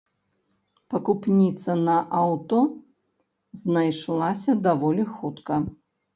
Пакупніца на аўто знайшлася даволі хутка.